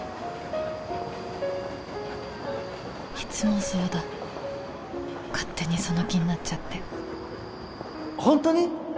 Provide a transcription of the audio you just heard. いつもそうだ勝手にその気になっちゃってホントに！？